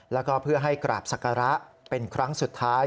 แล้วก็เพื่อให้กราบศักระเป็นครั้งสุดท้าย